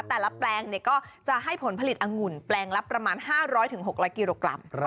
แต่ละแปลงก็จะให้ผลผลิตอังุ่นแปลงละประมาณ๕๐๐๖๐๐กิโลกรัม